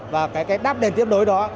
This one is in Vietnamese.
và cái đáp đền tiếp đối đó